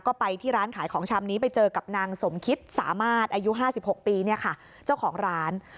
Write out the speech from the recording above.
ก็ไปที่ร้านขายของชำนี้ไปเจอกับนางสมคิดสามารถอายุ๕๖ปีเนี่ยค่ะเจ้าของร้าน